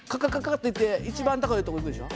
ッていって一番高いとこ行くでしょ。